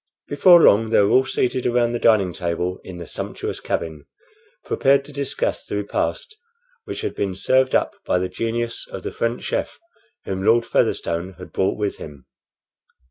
Before long they were all seated around the dining table in the sumptuous cabin, prepared to discuss the repast which had been served up by the genius of the French chef whom Lord Featherstone had brought with him.